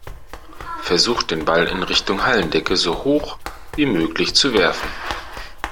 Versucht den Ball in Richtung Hallendecke so hoch wie möglich zu werfen.